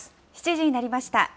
７時になりました。